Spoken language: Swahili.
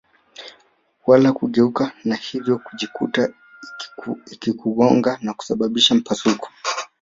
wala kugeuka na hivyo kujikuta ikiugonga na kusababisha mpasuko